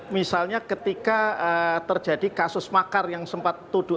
misalnya ketika terjadi kasus makar yang sempat